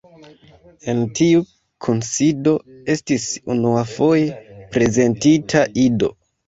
En tiu kunsido estis unuafoje prezentita Ido.